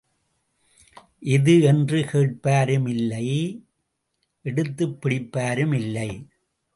எது என்று கேட்பாரும் இல்லை எடுத்துப் பிடிப்பாரும் இல்லை.